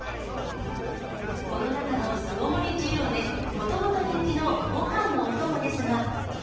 コロナ禍の巣ごもり需要で、もともと人気のごはんのお供ですが。